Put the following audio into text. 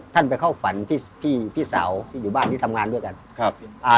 ไปเข้าฝันพี่พี่สาวที่อยู่บ้านที่ทำงานด้วยกันครับอ่า